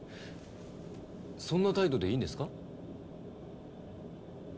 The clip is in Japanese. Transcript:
そんな態度でいいんですか？